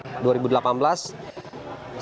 siapakah kemudian yang akan memimpin